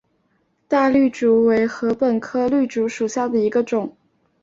大绿竹为禾本科绿竹属下的一个种。